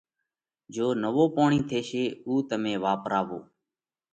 جيو نوو پوڻِي ٿيشي اُو تمي واپراوو۔